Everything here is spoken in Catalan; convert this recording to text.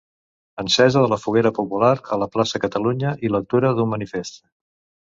Encesa de la foguera popular a la plaça Catalunya i lectura d'un manifest.